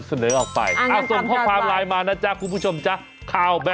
สวัสดีคุณชิสานะฮะสวัสดีคุณชิสานะฮะ